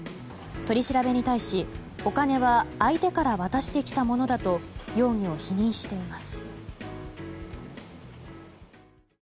取り調べに対し、お金は相手から渡してきたものだと容疑を否認しています。